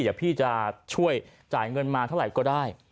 เดี๋ยวพี่จะช่วยจ่ายเงินมาเท่าไหร่ก็ได้